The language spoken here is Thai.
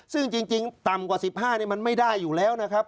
ซึ่งจริงต่ำกว่า๑๕นี่มันไม่ได้อยู่แล้วนะครับ